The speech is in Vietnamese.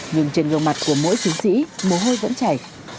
nhưng trên gương mặt của mỗi chiến sĩ mồ hôi vẫn chảy